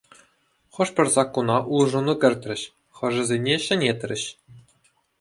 Хӑш-пӗр саккуна улшӑну кӗртрӗҫ, хӑшӗсене ҫӗнетрӗҫ.